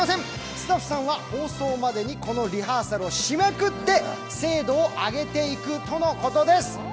スタッフさんは放送までにこのリハーサルを締めくくって精度を上げていくとのことです。